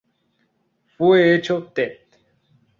Fue hecho Tte.